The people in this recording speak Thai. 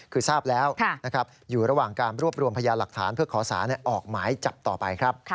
คือทราบแล้วอยู่ระหว่างการรวบรวมพยายามหลักฐาน